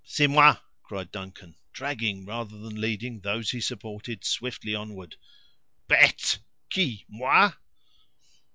"C'est moi," cried Duncan, dragging rather than leading those he supported swiftly onward. "Bête!—qui?—moi!"